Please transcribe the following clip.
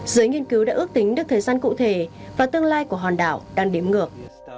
giới nghiên cứu đã ước tính được thời gian cụ thể và tương lai của hòn đảo đang đếm ngược